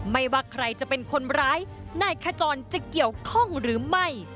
ไม่ว่าใครจะเป็นคนร้ายนายขจรจะเกี่ยวข้องหรือไม่